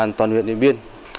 công an huyện điện biên